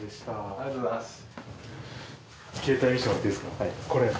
ありがとうございます。